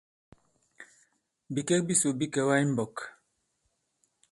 Bikek bisò bi kɛ̀wà i mbɔk.